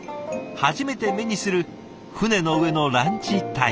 初めて目にする船の上のランチタイム。